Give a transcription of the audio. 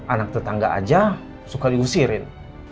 anak tetangga aja suka diusirin